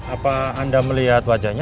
apa anda melihat wajahnya